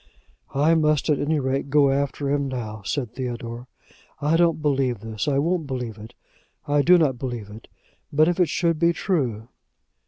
"I must at any rate go after him now," said Theodore. "I don't believe this; I won't believe it. I do not believe it. But if it should be true